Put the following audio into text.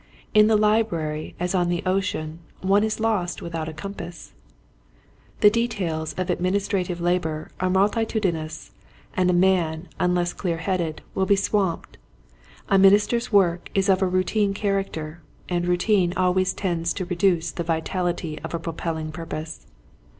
In the library as on the ocean one is lost without a compass. The details of administrative labor are multitudinous, and a man unless clear headed will be swamped. A minister's work is of a routine character, and routine always tends to reduce the vitality of a pro pelling purpose.